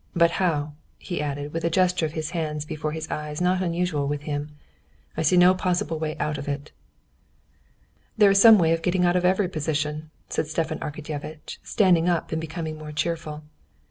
"But how?" he added, with a gesture of his hands before his eyes not usual with him. "I see no possible way out of it." "There is some way of getting out of every position," said Stepan Arkadyevitch, standing up and becoming more cheerful.